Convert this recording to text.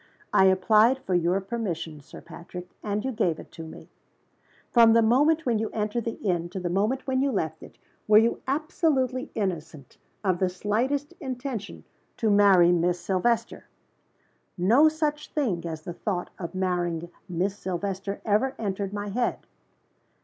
"I applied for your permission, Sir Patrick; and you gave it me." "From the moment when you entered the inn to the moment when you left it, were you absolutely innocent of the slightest intention to marry Miss Silvester?" "No such thing as the thought of marrying Miss Silvester ever entered my head."